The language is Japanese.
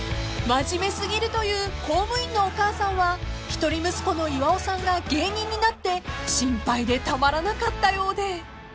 ［真面目すぎるという公務員のお母さんは一人息子の岩尾さんが芸人になって心配でたまらなかったようで］